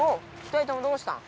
２人ともどうしたん？